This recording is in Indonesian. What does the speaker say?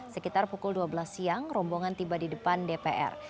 sekitar pukul dua belas siang rombongan tiba di depan dpr